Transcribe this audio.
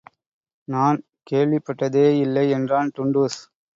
நான் கேள்விப்பட்டதேயில்லை என்றான் டுன்டுஷ்.